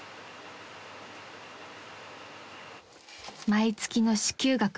［毎月の支給額